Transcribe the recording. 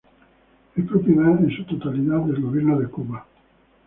Es propiedad en su totalidad del gobierno de Cuba.